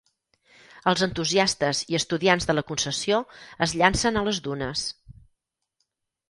Els entusiastes i estudiants de la concessió es llancen a les dunes.